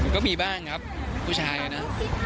ก็มีบ้างครับผู้ชายนะ